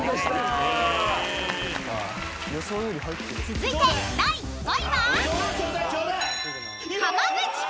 ［続いて第５位は］